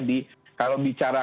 di kalau bicara